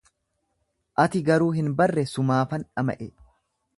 Ati garuu hin barre, sumaafan dhama'e.